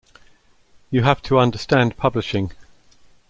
You have to understand publishing.